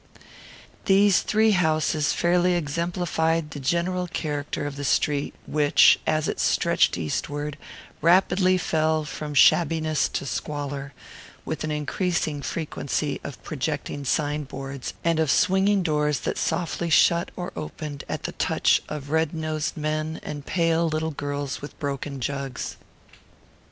These three houses fairly exemplified the general character of the street, which, as it stretched eastward, rapidly fell from shabbiness to squalor, with an increasing frequency of projecting sign boards, and of swinging doors that softly shut or opened at the touch of red nosed men and pale little girls with broken jugs.